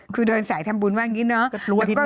คือเดินสายทำบุญว่าอย่างนี้เนาะ